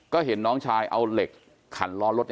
ก็เห็นน้องชายเอาเหล็กขันล้อรถ